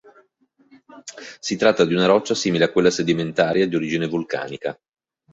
Si tratta di una roccia simile a quella sedimentaria di origine vulcanica.